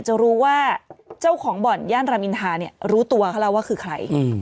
จะรู้ว่าเจ้าของบ่อนย่านรามอินทาเนี่ยรู้ตัวเขาแล้วว่าคือใคร